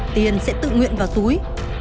tiền sẽ tự nguyện vào túi